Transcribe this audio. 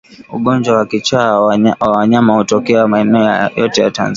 Ugonjwa wa kichaa kwa wanyama hutokea maeneo yote Tanzania